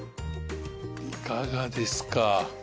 いかがですか？